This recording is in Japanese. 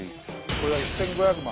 これが１，５００万。